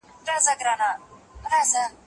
خدای ټول ګناهونه بښي خو شرک نه بښي.